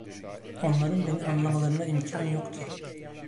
Onların beni anlamalarına imkân yoktu.